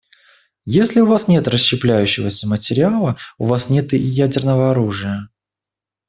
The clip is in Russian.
Если у вас нет расщепляющегося материала, у вас нет и ядерного оружия.